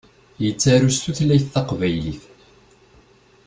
Yettaru s tutlayt taqbaylit.